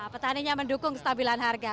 petaninya mendukung kestabilan harga